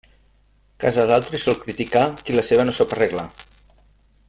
Casa d'altri sol criticar qui la seva no sap arreglar.